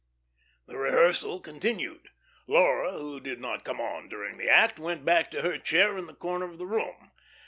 The rehearsal continued. Laura, who did not come on during the act, went back to her chair in the corner of the room.